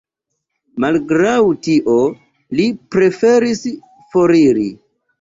Malgraŭ tio, li preferis foriri.